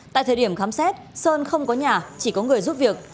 tại thời điểm khám xét sơn không có nhà chỉ có người giúp việc